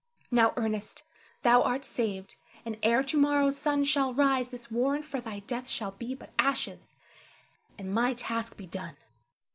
Now, Ernest, thou art saved, and ere to morrow's sun shall rise this warrant for thy death shall be but ashes, and my task be done.